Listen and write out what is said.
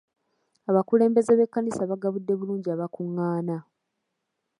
Abakulembeze b'ekkanisa baagabudde bulungi abaakungaana.